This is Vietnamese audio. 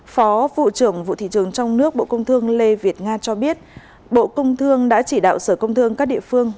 phó vụ trưởng vụ thị trường trong nước bộ công thương lê việt nga cho biết bộ công thương đã chỉ đạo sở công thương các địa phương